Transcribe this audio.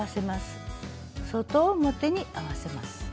外表に合わせます。